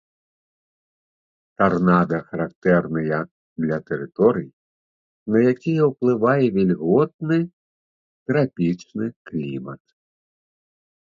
Тарнада характэрныя для тэрыторый, на якія уплывае вільготны трапічны клімат.